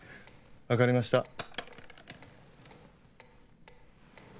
わかりました。